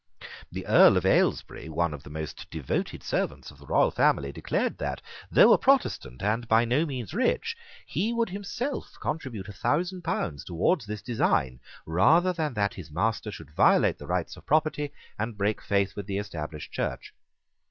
The Earl of Ailesbury, one of the most devoted servants of the royal family, declared that, though a Protestant, and by no means rich, he would himself contribute a thousand pounds towards this design, rather than that his master should violate the rights of property, and break faith with the Established Church.